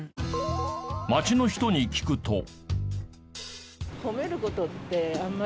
街の人に聞くと。